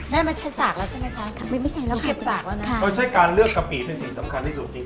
ได้มาใช้จากแล้วใช่ไหมคะไม่ใช่แล้วเก็บจากแล้วนะคะเขาใช้การเลือกกะปิเป็นสิ่งสำคัญที่สุดจริง